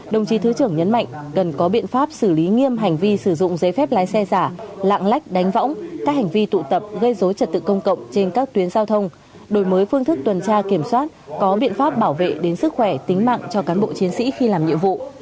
đồng chí thứ trưởng nhấn mạnh cần có biện pháp xử lý nghiêm hành vi sử dụng giấy phép lái xe giả lạng lách đánh võng các hành vi tụ tập gây dối trật tự công cộng trên các tuyến giao thông đổi mới phương thức tuần tra kiểm soát có biện pháp bảo vệ đến sức khỏe tính mạng cho cán bộ chiến sĩ khi làm nhiệm vụ